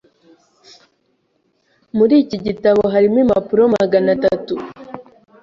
Muri iki gitabo harimo impapuro magana atatu.